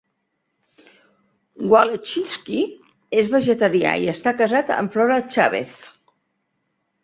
Wallechinsky és vegetarià i està casat amb Flora Chávez.